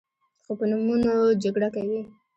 خو په نومونو جګړه کوي.